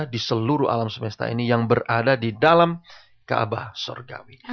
di seluruh alam semesta ini yang berada di dalam kaabah sorgawi